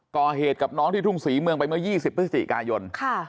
ก่อเหตุกับน้องที่ทุ่งศรีเมืองไปเมื่อ๒๐พฤศจิกายน